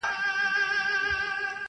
• په پردي کور کي ژوند په ضرور دی -